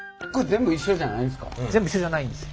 全部一緒じゃないんです。